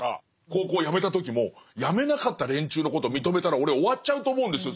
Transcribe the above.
高校をやめた時もやめなかった連中のことを認めたら俺終わっちゃうと思うんですよ